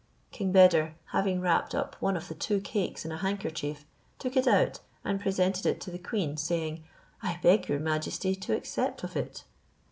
King Beder, having wrapped up one of the two cakes in a handkerchief, took it out, and presented it to the queen, saying, "I beg your majesty to accept of it."